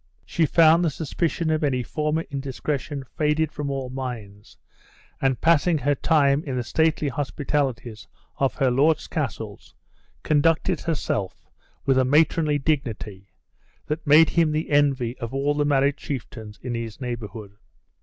She found the suspicion of any former indiscretion faded from all minds, and passing her time in the stately hospitalities of her lord's castles, conducted herself with a matronly dignity, that made him the envy of all the married chieftains in his neighborhood.